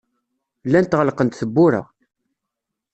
Llant ɣelqent tewwura.